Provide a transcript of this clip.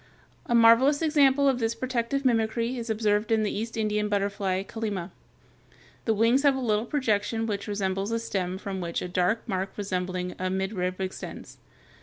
A marvelous example of this protective mimicry is observed in the East Indian butterfly, Kallima (Fig. 235). The wings have a little projection which resembles a stem from which a dark mark resembling a midrib extends.